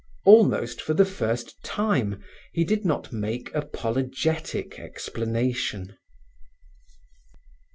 Almost for the first time he did not make apologetic explanation.